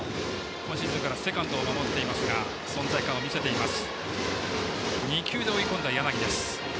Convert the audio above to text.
今シーズンからはセカンドを守っていますが存在感を見せています。